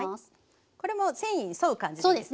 これも線維に沿う感じですか？